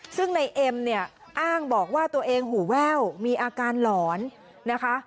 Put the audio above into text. ซึ่งในเอ็มเนี่ยอ้างบอกว่าตัวเองหูแว่วมีอาการหลอนนะคะ